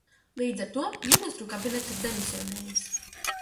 Līdz ar to Ministru kabinets ir demisionējis.